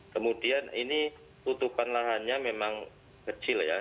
kemudian ini tutupan lahannya memang kecil ya